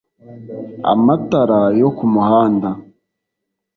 amatara yo kumuhanda